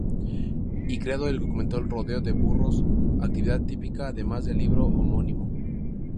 Y creado el documental "Rodeo de burros, actividad típica", además del libro homónimo.